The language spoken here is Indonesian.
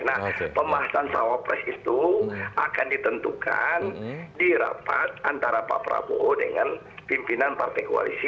nah pembahasan cawapres itu akan ditentukan di rapat antara pak prabowo dengan pimpinan partai koalisi